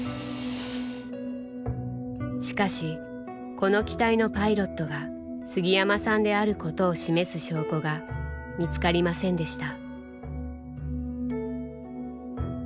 しかしこの機体のパイロットが杉山さんであることを示す証拠が見つかりませんでした。